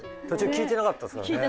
聞いてなかったですね。